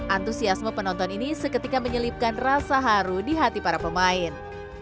antusiasme penonton ini seketika menyelipkan rasa haru di hati para pemain